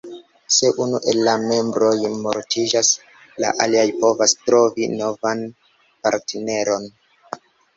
Se unu el la membroj mortiĝas, la alia povas trovi novan partneron.